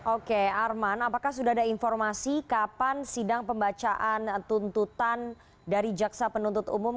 oke arman apakah sudah ada informasi kapan sidang pembacaan tuntutan dari jaksa penuntut umum